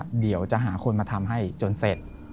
เดี๋ยวจะหาคนมาทำให้จนเสร็จ